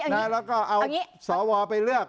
แล้วก็เอาสวไปเลือก